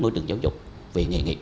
môi trường giáo dục viện nghề nghị